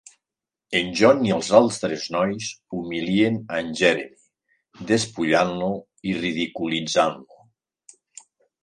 En John i els altres nois humilien a en Jeremy, despullant-lo i ridiculitzant-lo.